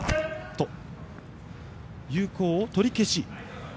有効を取り消し。